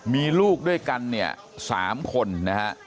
มีลูกด้วยกันเนี่ย๓คนนะฮะ